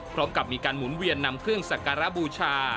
พร้อมกับมีการหมุนเวียนนำเครื่องสักการะบูชา